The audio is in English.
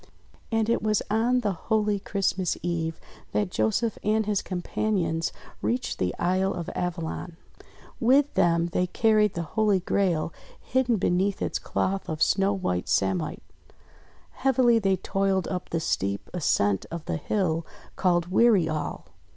And it was on the holy Christmas Eve that Joseph and his companions reached the Isle of Avalon. With them they carried the Holy Grail hidden beneath its cloth of snow white samite. Heavily they toiled up the steep ascent of the hill called Weary All.